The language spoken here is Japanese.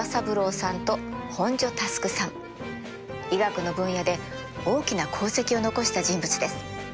医学の分野で大きな功績を残した人物です。